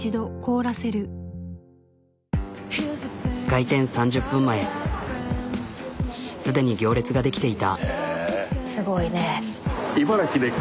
開店３０分前既に行列が出来ていた。